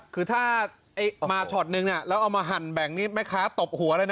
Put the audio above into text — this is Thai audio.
คือถ้ามาช็อตนึงแล้วเอามาหั่นแบ่งนี่แม่ค้าตบหัวเลยนะ